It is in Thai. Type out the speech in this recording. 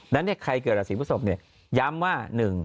แล้วใครเกิดอันสีพฤศพเนี่ยย้ำว่า